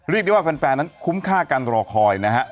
เรียกได้ว่าแฟนนั้นคุ้มค่าการรอคอยนะครับ